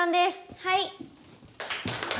はい。